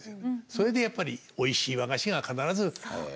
それでやっぱりおいしい和菓子が必ずあるという。